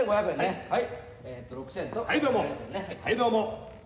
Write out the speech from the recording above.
はい、どうも。